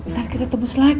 ntar kita tembus lagi